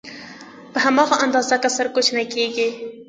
په هماغه اندازه کسر کوچنی کېږي